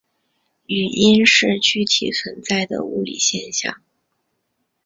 语音是具体存在的物理现象。